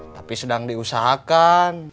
tapi sedang diusahakan